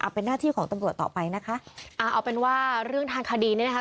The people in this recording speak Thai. เป็นหน้าที่ของตำรวจต่อไปนะคะอ่าเอาเป็นว่าเรื่องทางคดีเนี่ยนะคะ